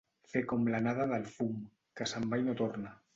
Fer com l'anada del fum, que se'n va i no torna.